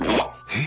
えっ⁉